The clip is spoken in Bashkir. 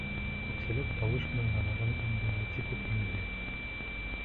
Күпселек тауыш менән Рамазан Абдулатипов еңде.